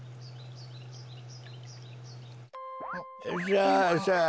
さあさあ